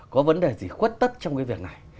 có vấn đề gì khuất tất trong cái việc này